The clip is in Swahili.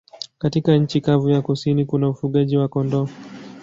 Katika nchi kavu ya kusini kuna ufugaji wa kondoo.